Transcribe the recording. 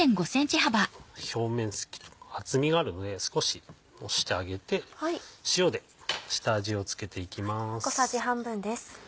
表面積というか厚みがあるので少し押してあげて塩で下味を付けていきます。